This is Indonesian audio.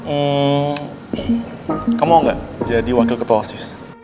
emmm kamu mau ngga jadi wakil ketua osi